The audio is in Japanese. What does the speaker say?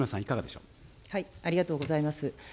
ありがとうございます。